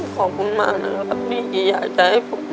ขอบคุณมากนะครับที่อยากจะให้ผม